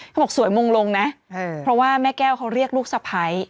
บอกสวยมงลงนะเพราะว่าแม่แก้วเขาเรียกลูกสะพ้าย